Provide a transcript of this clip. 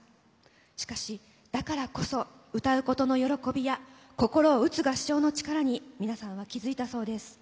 しかし、だからこそ歌うことの喜びや心打つ場所の力に、皆さんは気づいたそうです。